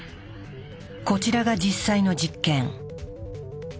こちらが実際の実験。